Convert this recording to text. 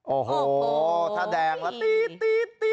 โอ้โหถ้าแดงแล้ว